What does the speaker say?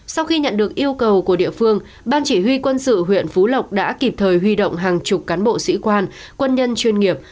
sau khi nhận được yêu cầu của địa phương ban chỉ huy quân sự huyện phú lộc đã kịp thời huy động hàng chục cán bộ sĩ quan quân nhân chuyên nghiệp